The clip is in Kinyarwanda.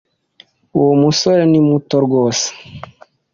Uwo musore ni muto rwose!